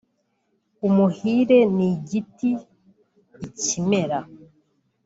umuhire ni igiti (ikimera)